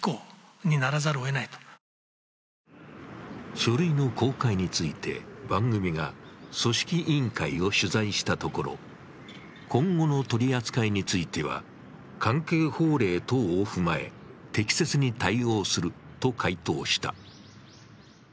書類の公開について、番組が組織委員会を取材したところ、今後の取り扱いについては、関係法令等を踏まえ、適切に対応すると回答した。